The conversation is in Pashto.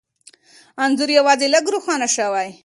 انځور یوازې لږ روښانه شوی،